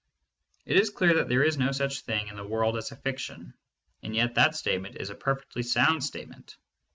It is clear that there is no such thing in the world as a fiction, and yet that statement is a perfectly sound statement.